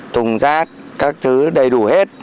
thùng rác các thứ đầy đủ hết